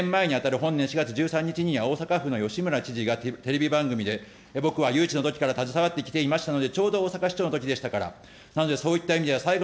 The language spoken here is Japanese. ２年前に当たる本年４月１３日には大阪府の吉村知事がテレビ番組で、僕は誘致のときから携わってきていましたので、ちょうど大阪市長のときでしたから。